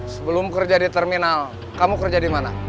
sebelum kerja di terminal kamu kerja di mana